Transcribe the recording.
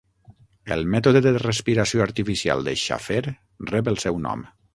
El mètode de respiració artificial de Schafer rep el seu nom.